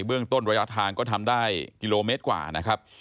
เรื่องต้นระยะทางก็ทำได้กิโลเมตรกว่านะครับ